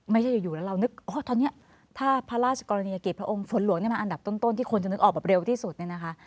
ไม่ใช่อยู่แล้วเรานึกอ๋อตอนนี้ถ้าพระราชกรณียกิจพระองค์ฝนหลวงนี่มันอันดับต้นที่คนจะนึกออกแบบเร็วที่สุดเนี่ยนะคะ